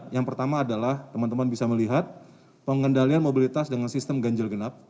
yang pertama adalah teman teman bisa melihat pengendalian mobilitas dengan sistem ganjil genap